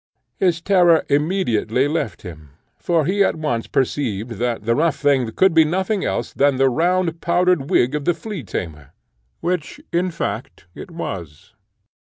His terror immediately left him, for he at once perceived that the rough thing could be nothing else than the round powdered wig of the flea tamer which, in fact, it was.